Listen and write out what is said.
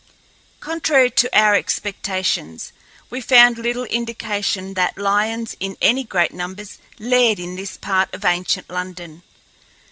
Contrary to our expectations, we found little indication that lions in any great numbers laired in this part of ancient London.